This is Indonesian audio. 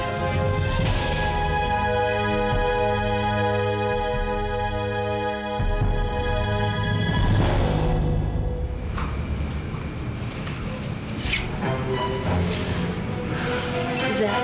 kalo ga tersusul